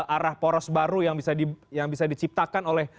arah poros baru yang bisa diciptakan oleh